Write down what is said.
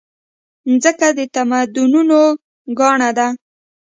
مځکه د تمدنونو ګاڼه ده.